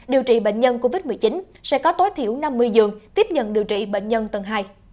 điều trị bệnh nhân covid một mươi chín sẽ có tối thiểu năm mươi giường tiếp nhận điều trị bệnh nhân tầng hai